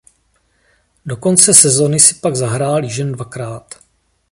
Do konce sezony si pak zahrál již jen dvakrát.